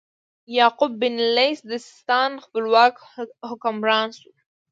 یعقوب بن اللیث د سیستان خپلواک حکمران شو.